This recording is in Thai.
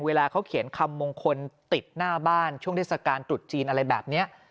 เวลาเขาเขียนคำมงคลติดหน้าบ้านช่วงเทศกาลตรุษจีนอะไรแบบนี้